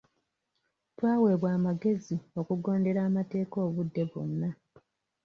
Twaweebwa amagezi okugondera amateeka obudde bwonna.